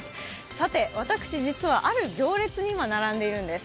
さて私、実はある行列に今並んでいるんです。